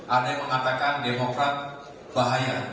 ada yang mengatakan demokrat bahaya